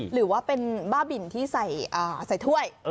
หรือว่าเป็นบ้าบินที่ใส่ถ้วย